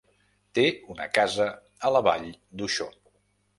Té una casa a la Vall d'Uixó.